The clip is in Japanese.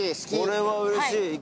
これはうれしい。